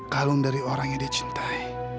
kalau dari orang yang dia cintai